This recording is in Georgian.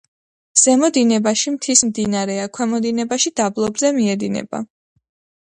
ზემო დინებაში მთის მდინარეა, ქვემო დინებაში დაბლობზე მიედინება.